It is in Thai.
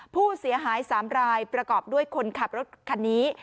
ผู้เสียหาย๓รายประกอบด้วยคนขับรถคันนี้